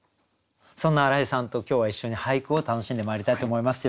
そんな荒井さんと今日は一緒に俳句を楽しんでまいりたいと思います。